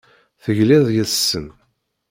Tegliḍ yes-sen.